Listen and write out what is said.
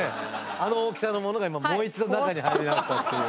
あの大きさのものが今もう一度中に入りましたっていう。